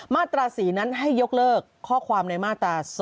ตรา๔นั้นให้ยกเลิกข้อความในมาตรา๒